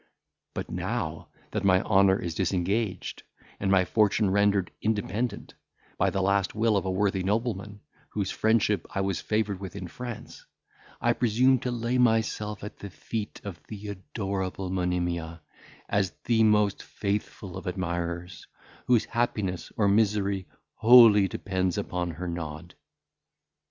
But, now that my honour is disengaged, and my fortune rendered independent, by the last will of a worthy nobleman, whose friendship I was favoured with in France, I presume to lay myself at the feet of the adorable Monimia, as the most faithful of admirers, whose happiness or misery wholly depends upon her nod.